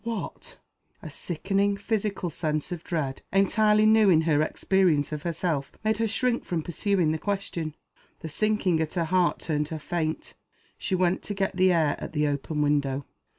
"What?" A sickening, physical sense of dread entirely new in her experience of herself made her shrink from pursuing the question. The sinking at her heart turned her faint. She went to get the air at the open window.